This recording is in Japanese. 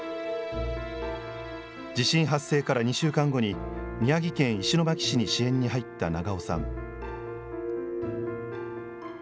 地震発生から２週間後に、宮城県石巻市に支援に入った長尾さん。